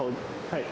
はい。